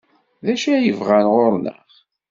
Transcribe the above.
D acu ay bɣan ɣur-neɣ?